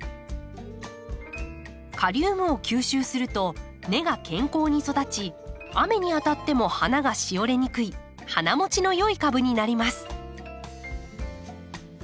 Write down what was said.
カリウムを吸収すると根が健康に育ち雨に当たっても花がしおれにくい花もちの良い株になります。